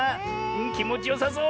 きもちよさそう！